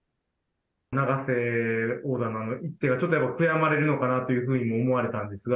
永瀬王座のあの一手が、ちょっとやっぱり悔やまれるのかなというふうに思われたんですが。